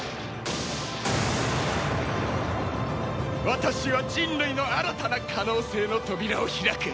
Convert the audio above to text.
私は人類の新たな可能性の扉を開く。